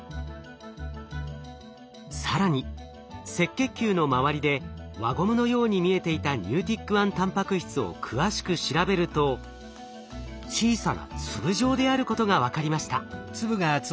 更に赤血球の周りで輪ゴムのように見えていたＮｅｗｔｉｃ１たんぱく質を詳しく調べると小さな粒状であることが分かりました。